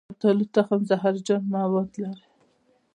د شفتالو تخم زهرجن مواد لري.